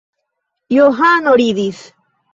Johano ridis.